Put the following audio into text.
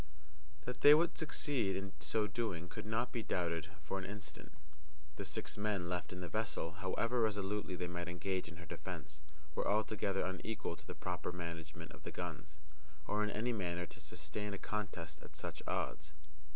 That they would succeed in so doing could not be doubted for an instant. The six men left in the vessel, however resolutely they might engage in her defence, were altogether unequal to the proper management of the guns, or in any manner to sustain a contest at such odds.